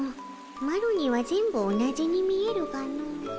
マロには全部同じに見えるがの。